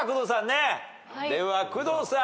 では工藤さん。